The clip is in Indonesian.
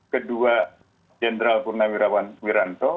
kedua jenderal purnawirawan wiranto